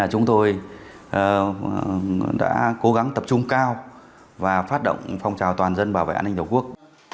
chúng tôi đã cố gắng tập trung cao và phát động phong trào toàn dân bảo vệ an ninh tổ quốc